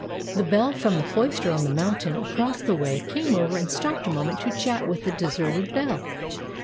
The bell from the cloister on the mountain across the way came over and stopped a moment to chat with the deserted bell.